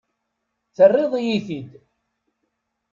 Terriḍ-iyi-t-id.